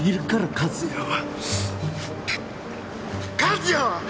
和也は！